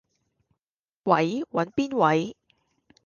喂，搵邊位？